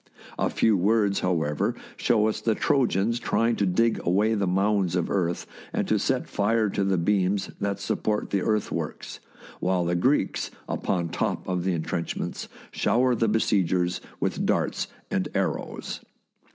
A few words, however, show us the Trojans trying to dig away the mounds of earth and to set fire to the beams that support the earthworks, while the Greeks, upon top of the intrenchments, shower the besiegers with darts and arrows.